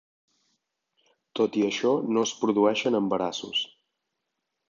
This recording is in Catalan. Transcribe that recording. Tot i això, no es produeixen embarassos.